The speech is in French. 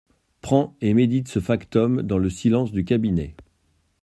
Prends et médite ce factum dans le silence du cabinet.